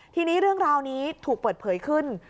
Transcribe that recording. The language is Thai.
ทีนี้เรื่องราวนี้ถูกเปิดเผยขึ้น